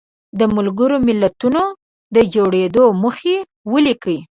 د ملګرو ملتونو د جوړېدو موخې ولیکئ.